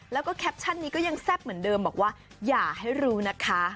แล้วก็แคปชั่นนี้ก็ยังแซ่บเหมือนเดิมบอกว่าอย่าให้รู้นะคะ